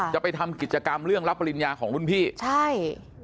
จะไปทำกิจกรรมเรื่องรับปริญญาของรุ่นพี่ใช่